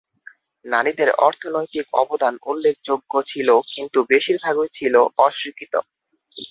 নারীদের অর্থনৈতিক অবদান উল্লেখযোগ্য ছিল কিন্তু বেশিরভাগই ছিল অস্বীকৃত।